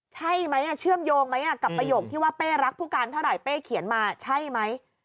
ใช่ไหมเชื่อมโยงไหมกับประโยคที่ว่าเป้รักผู้การเท่าไหร่เป้เขียนมาใช่ไหม